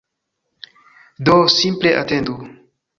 Do, simple atendu